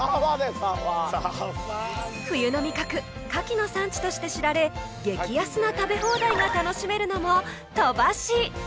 冬の味覚牡蠣の産地として知られ激安な食べ放題が楽しめるのも鳥羽市！